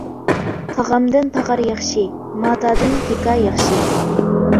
تاغامدىن تاغار ياخشى، ماتادىن دىكا ياخشى.